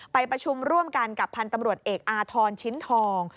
ประชุมร่วมกันกับพันธุ์ตำรวจเอกอาทรชิ้นทอง